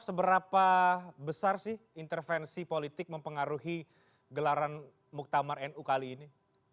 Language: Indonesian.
seberapa besar sih intervensi politik mempengaruhi gelaran muktamar nu kali ini